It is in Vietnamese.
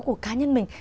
của cá nhân mình